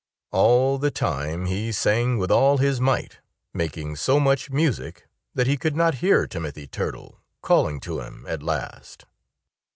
All the time he sang with all his might, making so much music that he could not hear Timothy Turtle calling to him at last.